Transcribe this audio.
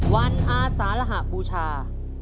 วันอาสารหะบูชา